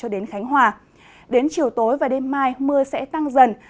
đến chiều tối và đêm mai mưa sẽ tăng dần